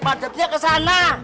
pada dia ke sana